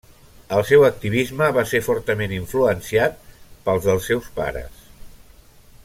El seu activisme va ser fortament influenciat pel dels seus pares.